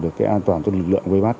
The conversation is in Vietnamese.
cái an toàn cho lực lượng quê bát